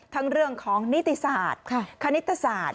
เรื่องของนิติศาสตร์คณิตศาสตร์